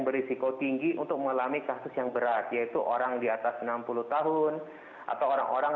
berisiko tinggi untuk mengalami kasus yang berat yaitu orang di atas enam puluh tahun atau orang orang